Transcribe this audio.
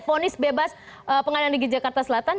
fonis bebas pengadilan negeri jakarta selatan